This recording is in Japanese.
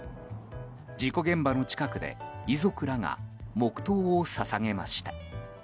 事故現場の近くで遺族らが黙祷を捧げました。